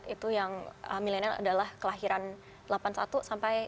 itu yang milenial adalah kelahiran delapan puluh satu sampai sembilan puluh satu